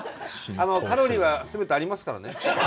あのカロリーは全てありますからね。